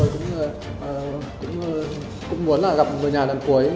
tôi cũng muốn là gặp người nhà lần cuối